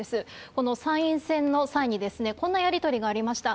この参院選の際に、こんなやり取りがありました。